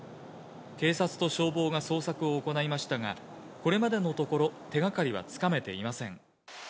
警察と消防が捜索を行いましたが、これまでのところ、手がかりはつかめていません。